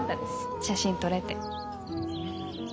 写真撮れて。